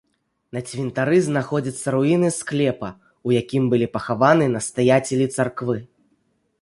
На цвінтары знаходзяцца руіны склепа, у якім былі пахаваны настаяцелі царквы.